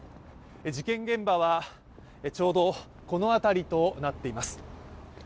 事件現場は、ちょうどこの辺りとなっています。